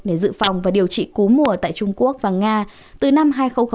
để dự phòng và điều trị cú mùa tại trung quốc và nga từ năm hai nghìn sáu